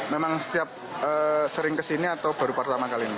memang setiap sering kesini atau baru pertama kali ini